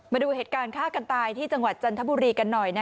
มาดูเหตุการณ์ฆ่ากันตายที่จังหวัดจันทบุรีกันหน่อย